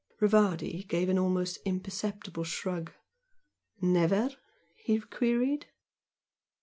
Rivardi gave an almost imperceptible shrug. "Never?" he queried.